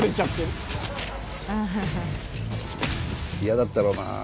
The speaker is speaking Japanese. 嫌だったろうなあ。